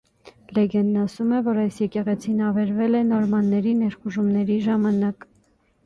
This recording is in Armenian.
Լեգենդն ասում է, որ այս եկեղեցին ավերվել է նորմանների ներխուժումների ժամանակ։